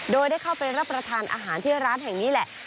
ด้วยได้เข้าพรรถโรคอาหารทันที่ร้านแห่งนี้แหละ